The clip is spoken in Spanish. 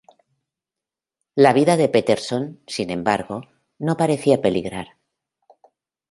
La vida de Peterson, sin embargo, no parecía peligrar.